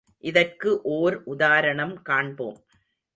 இதற்கு ஓர் உதாரணம் காண்போம்.